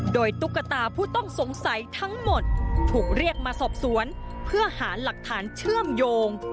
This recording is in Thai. โดยตุ๊กตาผู้ต้องสงสัยทั้งหมดถูกเรียกมาสอบสวนเพื่อหาหลักฐานเชื่อมโยง